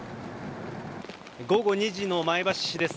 午後２時の前橋市です。